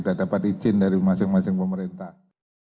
dan dapat izin dari masing masing pemerintah